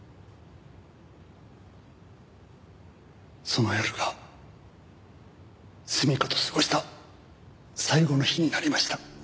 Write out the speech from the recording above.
その夜が純夏と過ごした最後の日になりました。